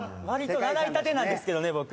わりと習いたてなんですけどね